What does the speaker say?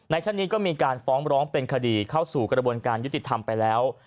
ชั้นนี้ก็มีการฟ้องร้องเป็นคดีเข้าสู่กระบวนการยุติธรรมไปแล้ว